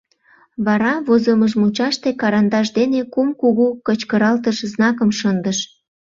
Вара возымыж мучаште карандаш дене кум кугу кычкыралтыш знакым шындыш.